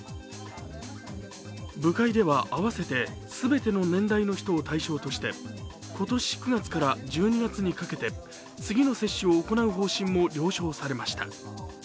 部会では、あわせて全ての年代の人を対象として今年９月から１２月にかけて次の接種を行う方針も了承されました。